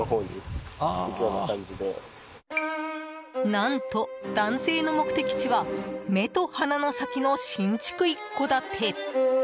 何と男性の目的地は目と鼻の先の新築一戸建て。